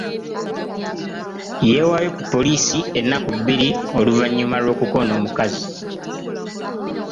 Yeewaayo ku poliisi ennaku bbiri oluvannyuma lw'okukoona omukazi.